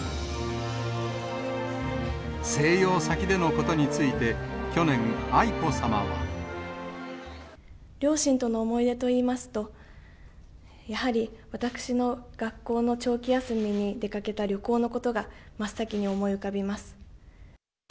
静養先でのことについて、去年、両親との思い出といいますと、やはり私の学校の長期休みに出かけた旅行のことが真っ先に思い浮かびます。